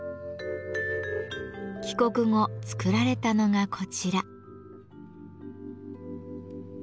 帰国後作られたのがこちら。